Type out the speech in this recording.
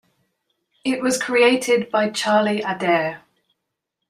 It was created by Charlie Adair.